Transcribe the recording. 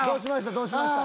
どうしました？